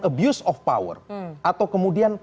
abuse of power atau kemudian